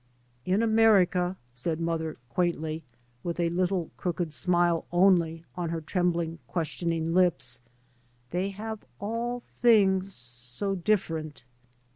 " In Amer ica," said mother quaintly, with a little " crooked smile " only on her' trembling ques tioning lips, " they have all things — so dif ferent."